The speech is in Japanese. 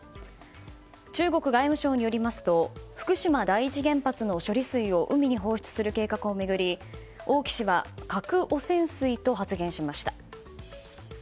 中国外務省によりますと福島第一原発の処理水を海に放出する計画を巡り王毅氏は核汚染水と発言しました。